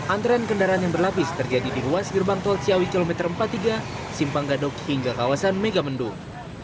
antrean kendaraan yang berlapis terjadi di ruas gerbang tol ciawi kilometer empat puluh tiga simpang gadok hingga kawasan megamendung